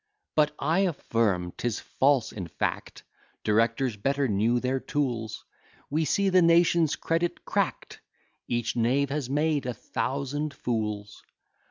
But, I affirm, 'tis false in fact, Directors better knew their tools; We see the nation's credit crack'd, Each knave has made a thousand fools.